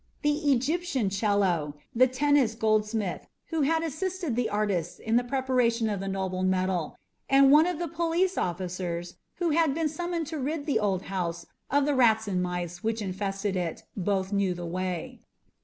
The Egyptian Chello, the Tennis goldsmith, who had assisted the artists in the preparation of the noble metal, and one of the police officers who had been summoned to rid the old house of the rats and mice which infested it, both knew the way.